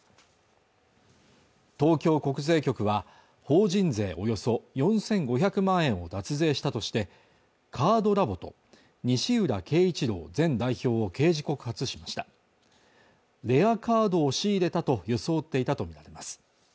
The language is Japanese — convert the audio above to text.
東京国税局は法人税およそ４５００万円を脱税したとしてカードラボと西浦恵一郎前代表を刑事告発しましたレアカードを仕入れたと装っていたと見られます